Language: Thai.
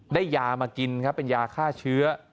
ได้ยามากินครับเป็นยาฆ่าเชื้อ